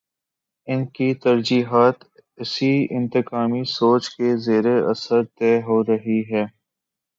ان کی ترجیحات اسی انتقامی سوچ کے زیر اثر طے ہو رہی ہیں۔